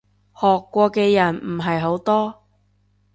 學過嘅人唔係好多